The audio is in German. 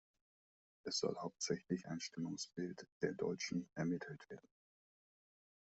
Es soll hauptsächlich ein Stimmungsbild „der Deutschen“ ermittelt werden.